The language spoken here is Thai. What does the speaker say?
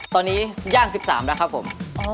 ตอนนี้ย่าน๑๓แล้วครับผม